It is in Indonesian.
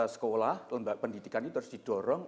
sekolah lembaga pendidikan itu harus didorong